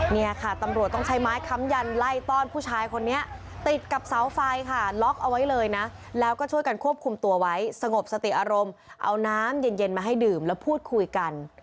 เนี่ยค่ะตำรวจต้องใช้ไม้ค้ำยันไล่ต้อนผู้ชายคนนี้ติดกับเสาไฟค่ะล็อกเอาไว้เลยนะแล้วก็ช่วยกันควบคุมตัวไว้สงบสติอารมณ์เอาน้ำเย็นมาให้ดื่มแล้วพูดคุยกัน